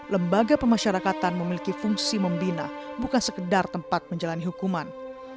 lembaga pemasyarakatan memiliki fungsi membina bukan sekedar tempat menjalani hukuman